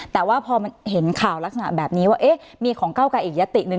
แต่ว่าพอมันเห็นข่าวลักษณะแบบนี้ว่าเอ๊ะมีของเก้าไกลอีกยติหนึ่ง